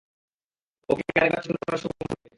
ওকে আরেকবার চেপে ধরার সময় হয়েছে।